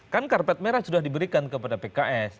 kan karpet merah sudah diberikan kepada pks